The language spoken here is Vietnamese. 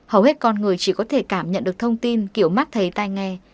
hầu hết con người chỉ có thể cảm nhận được thông tin kiểu mắt thấy tay nghe